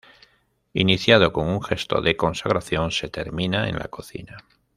Iniciado con un gesto de consagración, se termina en la cocina.